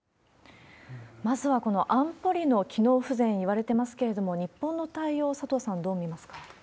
まずは、この安保理の機能不全、いわれてますけれども、日本の対応、佐藤さん、どう見ますか？